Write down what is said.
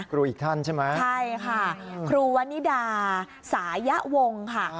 อีกท่านใช่ไหมใช่ค่ะครูวนิดาสายะวงค่ะ